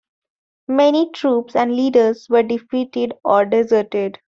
Many troops and leaders were defeated or deserted.